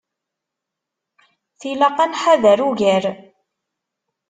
Tilaq ad nḥader ugar.